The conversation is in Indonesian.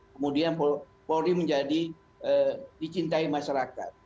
kemudian polri menjadi dicintai masyarakat